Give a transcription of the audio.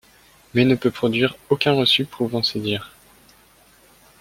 Mais ne peut produire aucun reçu prouvant ses dires.